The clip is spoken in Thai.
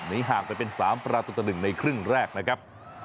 หนีห่างแบบเป็นสามประตูก่ะหนึ่งในครึ่งแรกนะครับ